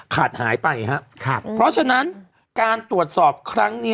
ขาดหายไปครับเพราะฉะนั้นการตรวจสอบครั้งนี้